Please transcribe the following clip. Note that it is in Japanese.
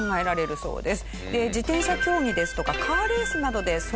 そうです。